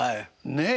ねえ。